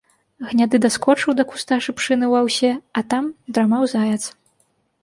Гняды даскочыў да куста шыпшыны ў аўсе, а там драмаў заяц.